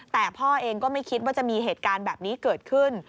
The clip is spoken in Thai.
แต่พ่อเองก็ไม่คิดว่าจะมีเหตุการณ์แบบนี้เกิดขึ้น